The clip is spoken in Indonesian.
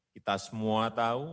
kita semua tahu